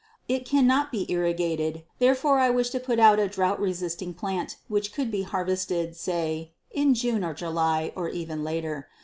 It cannot be irrigated, therefore I wish to put out a drought resisting plant which could be harvested, say, in June or July, or even later.